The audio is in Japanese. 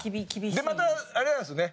またあれなんですよね。